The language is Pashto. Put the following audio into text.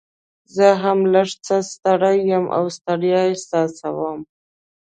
زه هم لږ څه ستړی یم او ستړیا احساسوم.